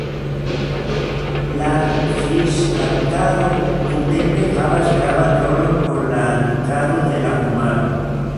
La fiŝkaptado nuntempe havas gravan rolon por la nutrado de la homaro.